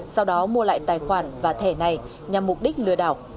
sau đó mua lại tài khoản và thẻ này nhằm mục đích lừa đảo